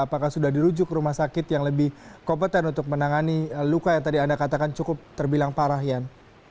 apakah sudah dirujuk ke rumah sakit yang lebih kompeten untuk menangani luka yang tadi anda katakan cukup terbilang parah yan